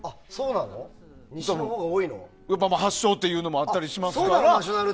発祥っていうのもあったりしますからね。